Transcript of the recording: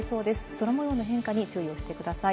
空模様の変化に注意をしてください。